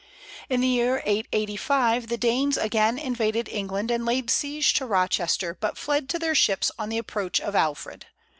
In the year 885 the Danes again invaded England and laid siege to Rochester, but fled to their ships on the approach of Alfred.